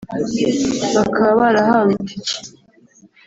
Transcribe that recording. bakaba barahawe itike